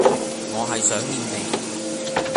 我係想念你